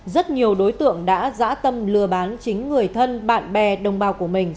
rất nhiều đối tượng đã dã tâm lừa bán chính người thân bạn bè đồng bào của mình